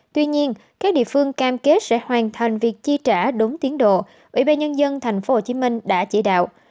tuy nhiên các địa phương cam kết sẽ hoàn thành việc chi trả đúng tiến độ ủy ban nhân dân tp hcm đã chỉ đạo